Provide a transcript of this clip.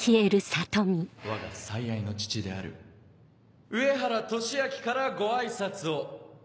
わが最愛の父である上原利明からご挨拶を。